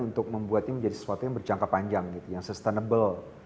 untuk membuatnya menjadi sesuatu yang berjangka panjang yang sustainable